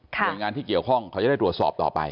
โดยงานที่เกี่ยวข้องเขาจะได้ตรวจสอบต่อไป